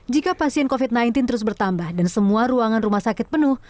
jika pasien covid sembilan belas terus bertambah dan semua ruangan rumah sakit penuh